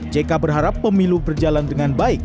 jk berharap pemilu berjalan dengan baik